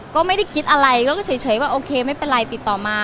ก็ไม่ได้คิดอะไรก็เฉยว่าโอเคไม่เป็นไรติดต่อมา